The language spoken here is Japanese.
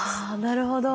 なるほど。